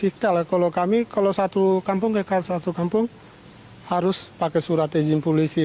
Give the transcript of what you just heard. kalau kami kalau satu kampung harus pakai surat izin polisi